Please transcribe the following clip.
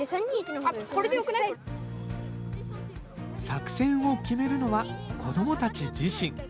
作戦を決めるのは子どもたち自身。